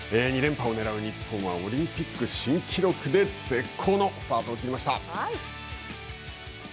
２連覇をねらう日本はオリンピック新記録で絶好のスタートを切りました。